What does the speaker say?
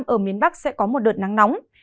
ở miền bắc sẽ có một đợt nắng nóng